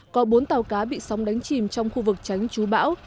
có bốn tàu cá bị sóng đánh chìm trong khu vực tránh chú bão